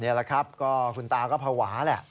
นี่แหละครับก็คุณตาก็ภาวะแหละ